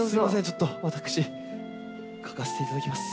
ちょっと私嗅がせていただきます。